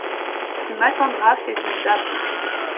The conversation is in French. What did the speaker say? Tu m'attendras chez une dame.